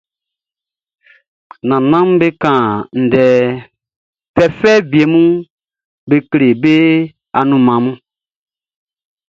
Nannanʼm be kan ndɛ fɛfɛ wie mun be kle be anunman mun.